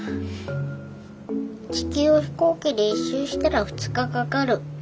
地球を飛行機で１周したら２日かかる。